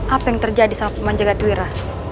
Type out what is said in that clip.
apa yang terjadi sama pemanjaga tuwira